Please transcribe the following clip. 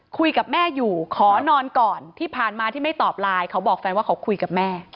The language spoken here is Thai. คุยกับแม่อยู่ขอนอนก่อนที่ผ่านมาที่ไม่ตอบไลน์เขาบอกแฟนว่าเขาคุยกับแม่